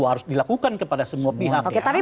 harus dilakukan kepada semua pihak ya oke tapi